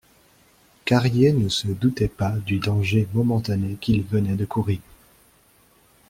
Carrier ne se doutait pas du danger momentané qu'il venait de courir.